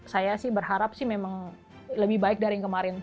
saya sih berharap sih memang lebih baik dari yang kemarin